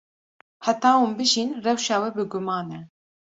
Heta hûn bijîn, rewşa we bi guman e.